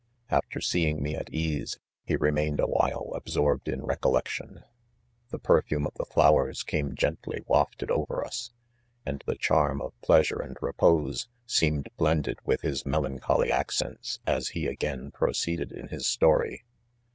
After seeing me at ease, he remain ed aWhile absorbed' in recollection. The per fume of the flowers came gently wafted over ns; and the charm of pleasure and repose seemed Wended with his melancholy accent:;., m he again proceeded in his story.